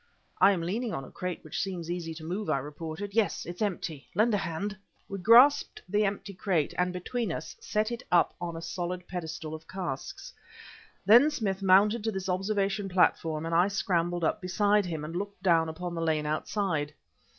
"I am leaning on a crate which seems easy to move," I reported. "Yes, it's empty. Lend a hand." We grasped the empty crate, and between us, set it up on a solid pedestal of casks. Then Smith mounted to this observation platform and I scrambled up beside him, and looked down upon the lane outside.